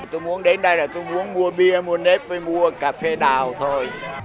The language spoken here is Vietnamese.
tôi muốn đến đây là tôi muốn mua bia mua nếp và mua cà phê lào thôi